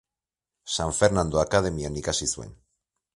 San Fernando akademian ikasi zuen.